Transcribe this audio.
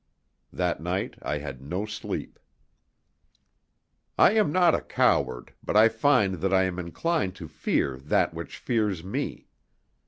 That night I had no sleep. I am not a coward, but I find that I am inclined to fear that which fears me.